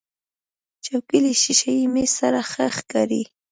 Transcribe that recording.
چوکۍ له شیشهيي میز سره ښه ښکاري.